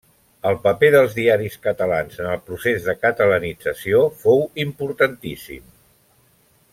El paper dels diaris catalans en el procés de catalanització fou importantíssim.